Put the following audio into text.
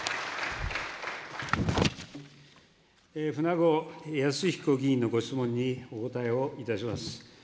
舩後靖彦議員のご質問にお答えをいたします。